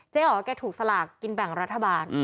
อ๋อแกถูกสลากกินแบ่งรัฐบาล